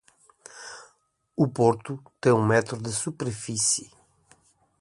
O Porto tem um metro de superfície.